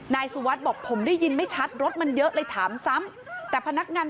นายสุวัสดิ์บอกว่าผมได้ยินไม่ชัดรถมันเยอะเลยถามซ้ำ